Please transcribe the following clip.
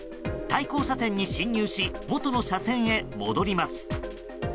対向車線に進入し元の車線へ戻ります。